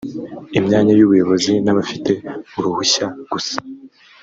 imyanya y’ubuyobozi n’abafite uruhushya gusa